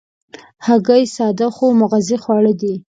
هګۍ ساده خو مغذي خواړه دي.